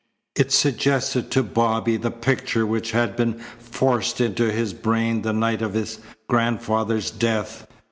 It suggested to Bobby the picture which had been forced into his brain the night of his grandfather's death.